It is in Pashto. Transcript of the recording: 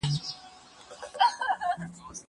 زه له سهاره د کتابتون لپاره کار کوم؟